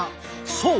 そう！